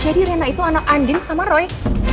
jadi reina itu anak anding sama ruy